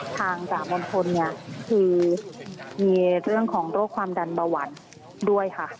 ทางจากมณพลมีเรื่องของโรคความดันบะหวั่นด้วยค่ะ